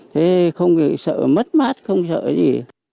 thế không sợ mất mát không sợ gì